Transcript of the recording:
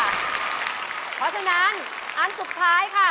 เพราะฉะนั้นอันสุดท้ายค่ะ